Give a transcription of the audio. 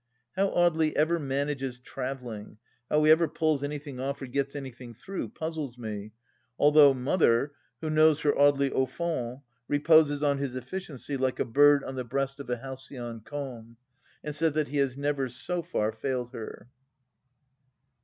How Audely ever manages travelling, how he ever pulls anything off or gets anything through, puzzles me, although Mother, who knows her Audely au fond, reposes on his effi ciency like a bird on the breast of a halcyon calm, and says that he has never, so far, failed her.